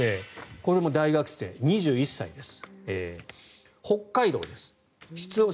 これも大学生、２１歳です。